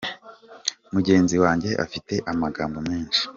Mugenzi wanjye afite amagambo menshi.